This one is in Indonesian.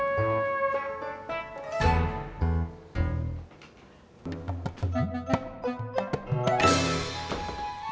tidak ada yang lebih malim